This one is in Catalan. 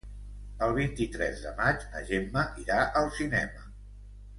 El vint-i-tres de maig na Gemma irà al cinema.